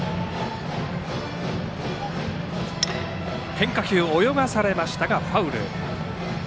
変化球を泳がされてファウル。